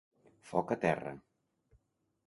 Foc a terra.